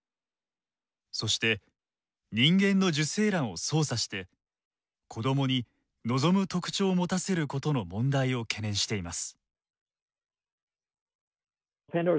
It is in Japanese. そして人間の受精卵を操作して子供に望む特徴を持たせることの問題を懸念しています。